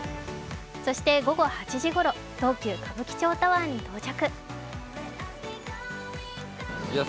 そして午後８時ごろ東急歌舞伎町タワーに到着。